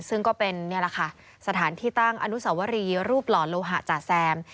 ซึ่งก็เป็นนี่แหละค่ะสถานที่ตั้งอนุสวรีรูปหล่อโลหะจ๋าแซม